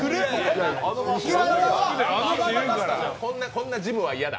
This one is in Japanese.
こんなジムは嫌だ。